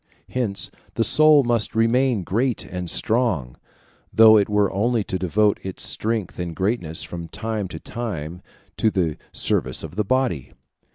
Hence the soul must remain great and strong, though it were only to devote its strength and greatness from time to time to the service of the body.